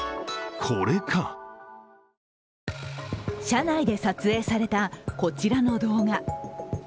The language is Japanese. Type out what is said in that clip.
車内で撮影されたこちらの動画。